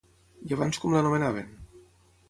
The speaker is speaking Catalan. I abans com l'anomenaven?